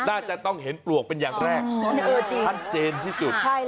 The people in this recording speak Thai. น่าจะต้องเห็นปลวกเป็นอย่างแรกชัดเจนที่สุด